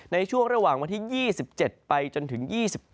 ในช่วงระหว่างวันที่๒๗ไปจนถึง๒๗